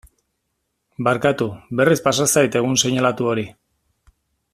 Barkatu, berriz pasa zait egun seinalatu hori.